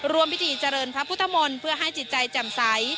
รวมพิธีเจริญพระพุทธมนต์เพื่อให้จิตใจแจ่มใส